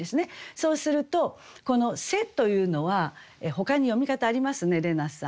そうするとこの「背」というのはほかに読み方ありますね怜奈さん。